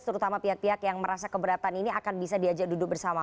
terutama pihak pihak yang merasa keberatan ini akan bisa diajak duduk bersama